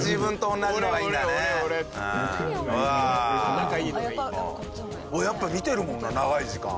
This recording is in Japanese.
小峠：やっぱ、見てるもんな長い時間。